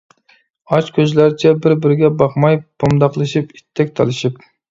ئاچ كۆزلەرچە بىر-بىرىگە باقماي، پومداقلىشىپ، ئىتتەك تالىشىپ.